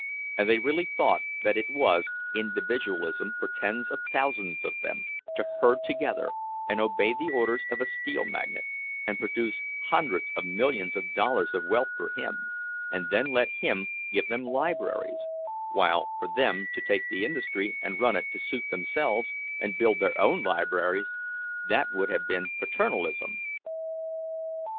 And they really thought that it was "individualism" for tens of thousands of them to herd together and obey the orders of a steel magnate, and produce hundreds of millions of dollars of wealth for him, and then let him give them libraries; while for them to take the industry, and run it to suit themselves, and build their own libraries—that would have been "Paternalism"!